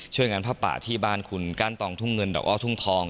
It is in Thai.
ช่วยงานผ้าป่าที่บ้านคุณก้านตองทุ่งเงินดอกอ้อทุ่งทอง